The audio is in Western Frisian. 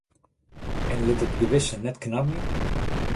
En lit it gewisse net knabje?